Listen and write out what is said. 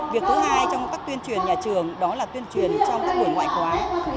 việc thứ hai trong các tuyên truyền nhà trường đó là tuyên truyền trong các buổi ngoại khóa